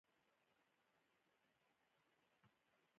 یو نوی ،خوږ. خوږ پسرلی راشین شي